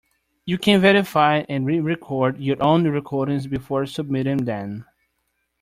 You can verify and re-record your own recordings before submitting them.